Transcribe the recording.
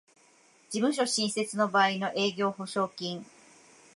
事務所新設の場合の営業保証金